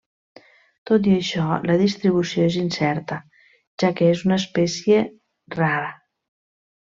Tot i això la distribució és incerta, ja que és una espècie rara.